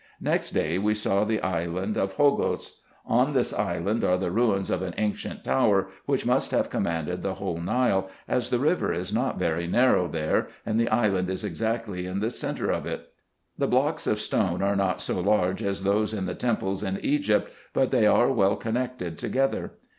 Next day we saw the island of Hogos. On tins island are the ruins of an ancient tower, which must have commanded the whole Nile, as the river is not very narrow here, and the island is exactly in the centre of it. The blocks of stone are not so large as those in the temples in Egypt, but they are well connected together.